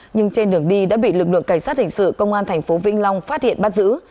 nhưng trên đường đi đã bị lực lượng cảnh sát hình sự công an thành phố vĩnh long phát hiện bắt giữ